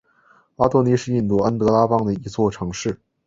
阿多尼是印度安得拉邦的一座城市。